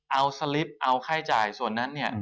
เอาสลิปเอาค่าจ่ายส่วนนั้นเนี่ย